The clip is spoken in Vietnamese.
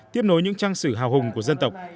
tiếp nối những trang sử hào hùng của dân tộc